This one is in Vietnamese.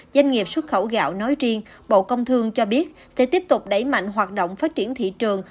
doanh nghiệp xuất khẩu gạo nói riêng bộ công thương cho biết sẽ tiếp tục đẩy mạnh hoạt động phát triển thị trường